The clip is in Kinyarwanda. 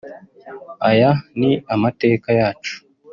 Aya ni amateka yacu